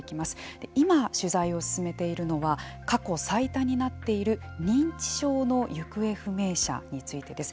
今取材を進めているのは過去最多になっている認知症の行方不明者についてです。